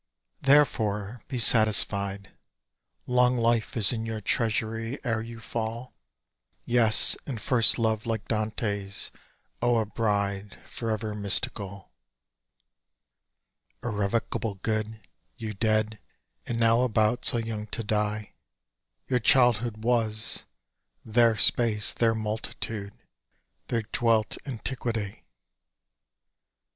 Therefore be satisfied; Long life is in your treasury ere you fall; Yes, and first love, like Dante's. O a bride For ever mystical! Irrevocable good,— You dead, and now about, so young, to die,— Your childhood was; there Space, there Multitude, There dwelt Antiquity.